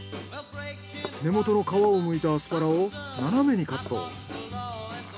根元の皮をむいたアスパラを斜めにカット。